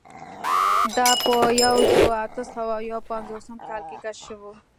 دا په یوه زرو اتو سوو یو پنځوسم کال کې کشف شول.